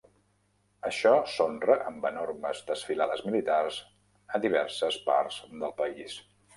Això s'honra amb enormes desfilades militars a diverses parts del país.